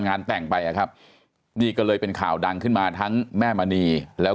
งานแต่งไปนะครับนี่ก็เลยเป็นข่าวดังขึ้นมาทั้งแม่มณีแล้ว